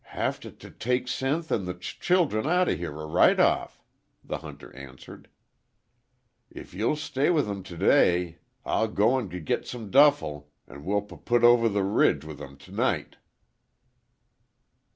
"Have t' take Sinth an' the ch childem out o' here r right off," the hunter answered. "If you'll stay with 'em t' day, I'll go an' g git some duffle an' we'll p put over the r ridge with 'em t' night."